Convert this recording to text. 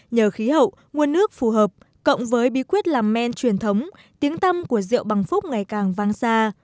nhờ khí hậu nguồn nước phù hợp cộng với bí quyết làm men truyền thống tiếng tâm của rượu bằng phúc ngày càng vang xa